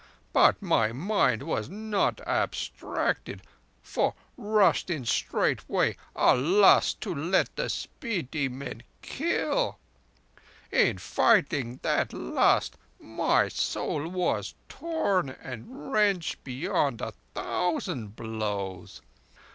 But my mind was not abstracted, for rushed in straightway a lust to let the Spiti men kill. In fighting that lust, my soul was torn and wrenched beyond a thousand blows.